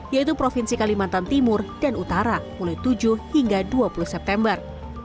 yaitu provinsi kalimantan timur dan utara mulai tujuh hingga dua puluh september